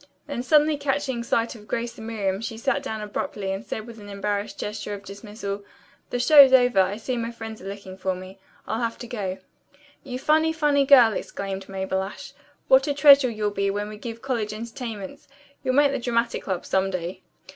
Then suddenly catching sight of Grace and Miriam she sat down abruptly and said with an embarrassed gesture of dismissal, "The show's over. I see my friends are looking for me. I'll have to go." "You funny, funny girl!" exclaimed Mabel Ashe. "What a treasure you'll be when we give college entertainments. You'll make the Dramatic Club some day."